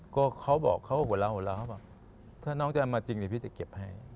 ก็เขาบอกเขาหัวเราหัวเราะเขาบอกถ้าน้องจะเอามาจริงเดี๋ยวพี่จะเก็บให้